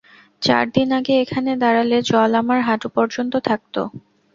চার দিন আগে এখানে দাঁড়ালে জল আমার হাঁটু পর্যন্ত থাকতো।